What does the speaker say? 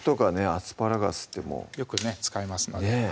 アスパラガスってもうよくね使いますのでねぇ